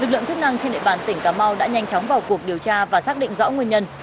lực lượng chức năng trên địa bàn tỉnh cà mau đã nhanh chóng vào cuộc điều tra và xác định rõ nguyên nhân